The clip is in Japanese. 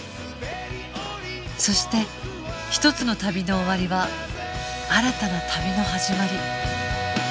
そして一つの旅の終わりは新たな旅の始まり